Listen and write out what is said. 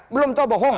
belum tahu bohong